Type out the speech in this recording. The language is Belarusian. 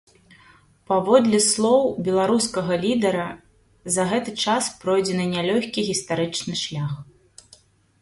Паводле слоў беларускага лідара, за гэты час пройдзены нялёгкі гістарычны шлях.